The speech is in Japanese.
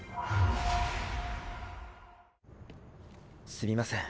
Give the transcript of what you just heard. すみません